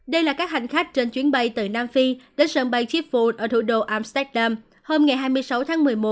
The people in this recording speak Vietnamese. đây là các hành khách trên chuyến bay từ nam phi đến sân bay chiphone ở thủ đô amsterdam hôm ngày hai mươi sáu tháng một mươi một